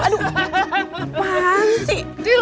aduh pak aci